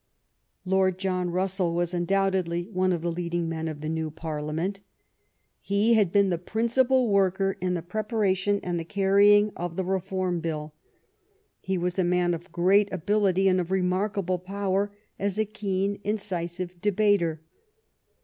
Lord John Russell was undoubtedly one of the leading men of the new Parliament. He had been the principal worker in the preparation and the carrying of the Reform Bill. He was a man of great ability and of remarkable power as a keen, incisive debater.